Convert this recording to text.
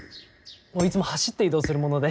「いつも走って移動するもので」。